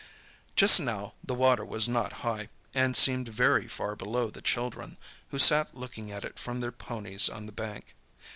Just now the water was not high, and seemed very far below the children, who sat looking at it from their ponies on the bank.